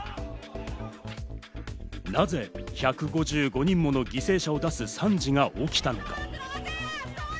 なぜ１５５人もの犠牲者を出す惨事が起きたのか？